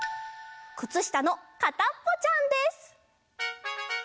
くつしたのかたっぽちゃんです！